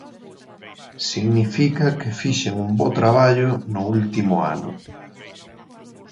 Significa que fixen un bo traballo no último ano.